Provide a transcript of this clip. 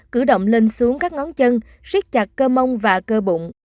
cử động lên xuống các ngón chân siết chặt cơ mông và cơ bụng